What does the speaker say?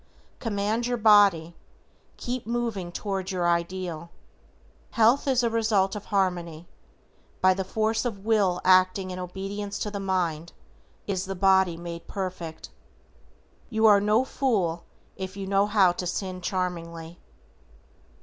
COMMAND YOUR BODY. KEEP MOVING TOWARD YOUR IDEAL. Health is a result of Harmony. By the force of the WILL acting in obedience to the mind, is the body made perfect. You are no fool if you know how to sin charmingly.